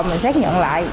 mình xác nhận lại